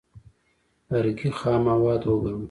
لرګي خام مواد وګڼو.